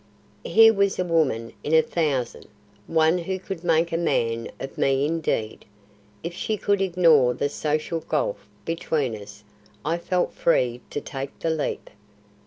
Here was a woman in a thousand; one who could make a man of me indeed. If she could ignore the social gulf between us, I felt free to take the leap.